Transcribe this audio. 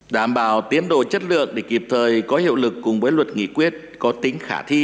đảm bảo tiến độ chất lượng để kịp thời có hiệu lực cùng với luật nghị quyết có tính khả thi